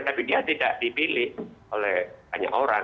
tapi dia tidak dipilih oleh banyak orang